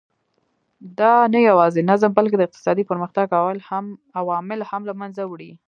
دا نه یوازې نظم بلکې د اقتصادي پرمختګ عوامل هم له منځه وړي.